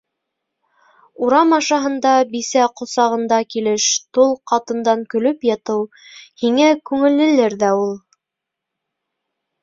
Урам ашаһында бисә ҡосағында килеш тол ҡатындан көлөп ятыу һиңә күңеллелер ҙә ул...